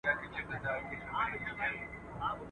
چي مرگى سته، ښادي نسته.